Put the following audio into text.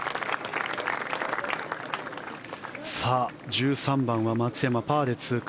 １３番は松山、パーで通過。